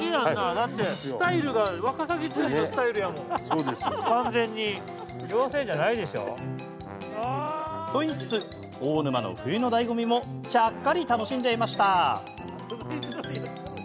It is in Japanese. だってスタイルがと言いつつ大沼の冬のだいご味もちゃっかり楽しんじゃいました。